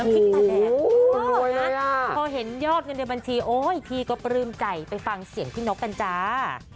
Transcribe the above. พอเห็นยอดเงินในบัญชีโอ๊ยพี่ก็ปลื้มใจไปฟังเสียงพี่นกกันจ้า